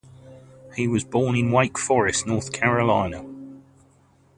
He was born in Wake Forest, North Carolina.